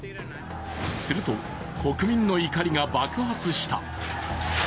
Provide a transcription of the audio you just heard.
すると国民の怒りが爆発した。